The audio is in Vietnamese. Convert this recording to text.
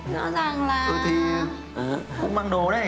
rõ ràng là